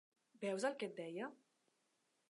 Veus el que et deia?